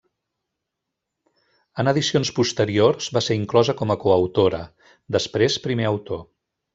En edicions posteriors, va ser inclosa com a coautora, després primer autor.